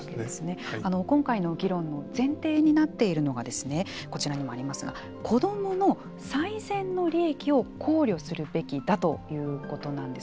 今回の議論の前提になっているのがこちらにもありますが、子どもの最善の利益を考慮するべきだということなんです。